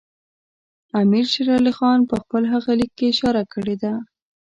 امیر شېر علي خان په خپل هغه لیک کې اشاره کړې ده.